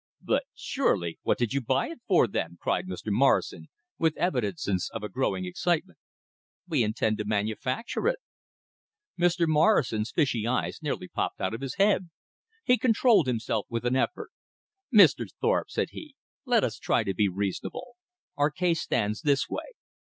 "But surely What did you buy it for, then?" cried Mr. Morrison, with evidences of a growing excitement. "We intend to manufacture it." Mr. Morrison's fishy eyes nearly popped out of his head. He controlled himself with an effort. "Mr. Thorpe," said he, "let us try to be reasonable. Our case stands this way.